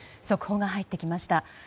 速報が入ってきました。